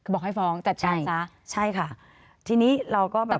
บอกให้ฟ้องแต่ใช่ค่ะใช่ค่ะทีนี้เราก็แบบ